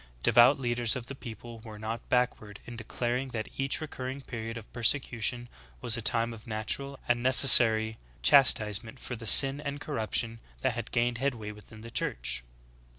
Devout leaders of the people were not backward in declaring that each recurring period of persecution was a time of natural and necessary chastise ment for the sin and corruption that had gained headway within the Church.